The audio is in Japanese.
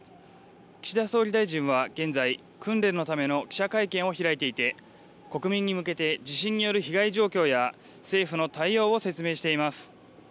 岸田総理大臣は現在、訓練のための記者会見を開いていて国民に向けて地震による被害状況や政府の対応を説明しています。